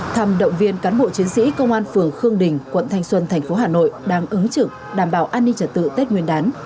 thăm động viên cán bộ chiến sĩ công an phường khương đình quận thanh xuân thành phố hà nội đang ứng trực đảm bảo an ninh trật tự tết nguyên đán